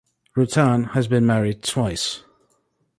Ruttan has been married twice.